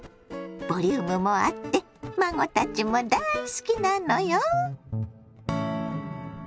ボリュームもあって孫たちも大好きなのよ。